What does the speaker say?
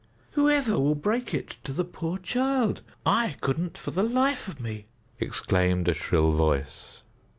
"Whoever will break it to the poor child? I couldn't for the life of me!" exclaimed a shrill voice.